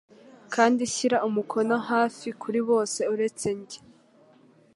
Kandi shyira umukono HAFI kuri bose uretse njye.